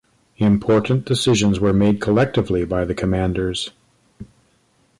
Important decisions were made collectively by the commanders.